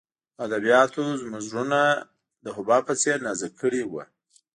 ادبیاتو زموږ زړونه د حباب په څېر نازک کړي وو